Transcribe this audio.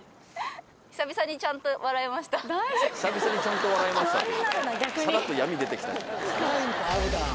久々にちゃんと笑いましたって